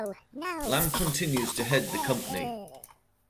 Lam continues to head the company.